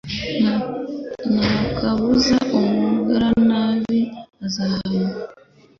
Nta kabuza umugiranabi azahanwa